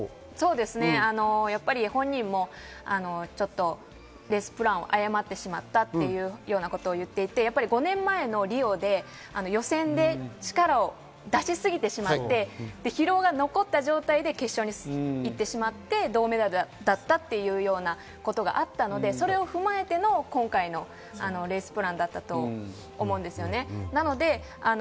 やっぱり本人もレースプランを誤ってしまったというようなことを言っていて、５年前のリオで予選で力を出しすぎてしまって、疲労が残った状態で決勝に行ってしまって銅メダルだったっていうようなことがあったので、それを踏まえての今回のレースプランだったと思うんですよね。